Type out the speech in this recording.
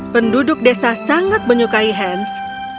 penduduk desa sangat menyukai hans